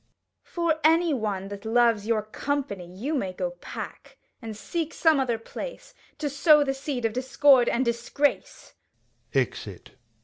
[Exit. Gon. For any one that loves your company, You may go pack, and seek some other place, 35 To sow the seed of discord and disgrace. [Exit.